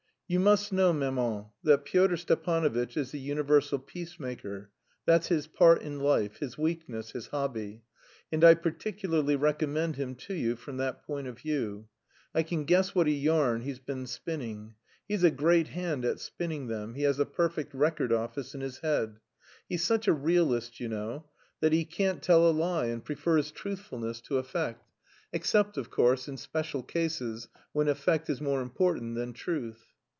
"You must know, maman, that Pyotr Stepanovitch is the universal peacemaker; that's his part in life, his weakness, his hobby, and I particularly recommend him to you from that point of view. I can guess what a yarn he's been spinning. He's a great hand at spinning them; he has a perfect record office in his head. He's such a realist, you know, that he can't tell a lie, and prefers truthfulness to effect... except, of course, in special cases when effect is more important than truth."